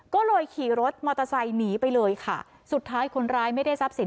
ก็เลยขี่รถมอเตอร์ไซค์หนีไปเลยค่ะสุดท้ายคนร้ายไม่ได้ทรัพย์สิน